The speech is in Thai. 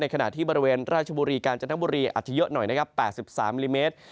ขณะที่บริเวณราชบุรีกาญจนบุรีอาจจะเยอะหน่อยนะครับ๘๓มิติเมตร